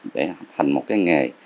để thành một cái nghề